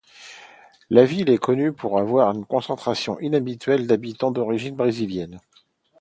La ville est connue pour avoir une concentration inhabituelle d'habitants d'origine brésilienne.